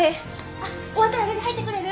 あっ終わったらレジ入ってくれる？